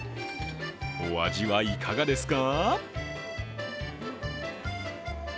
お味はいかがですか？